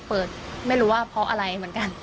ไม่รู้ว่าเพราะอะไรเหมือนกัน